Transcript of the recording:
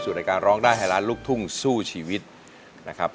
รายการร้องได้ให้ล้านลูกทุ่งสู้ชีวิตนะครับ